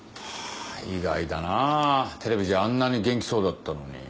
意外だなぁテレビじゃあんなに元気そうだったのに。